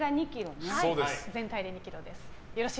全体で２ｋｇです。